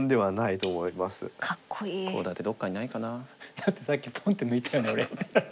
だってさっきポンって抜いたよね俺。